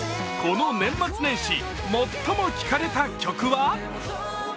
この年末年始、最も聴かれた曲は？